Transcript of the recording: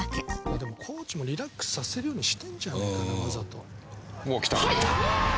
「でもコーチもリラックスさせるようにしてんじゃないかなわざと」入った！